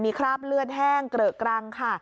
คราบเลือดแห้งเกรอะกรังค่ะ